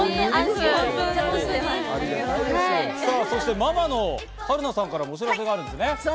そしてママの春菜さんからお知らせがあるんですよね。